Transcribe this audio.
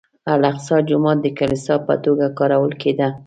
الاقصی جومات د کلیسا په توګه کارول کېده.